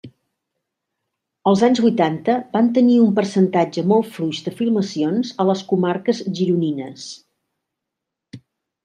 Els anys vuitanta van tenir un percentatge molt fluix de filmacions a les comarques gironines.